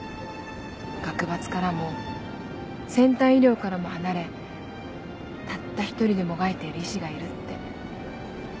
学閥からも先端医療からも離れたった１人でもがいてる医師がいるって。